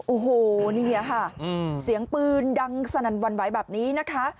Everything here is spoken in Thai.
โอ้โหนี่ค่ะเสียงปืนดังสนั่นหวั่นไหวแบบนี้นะคะ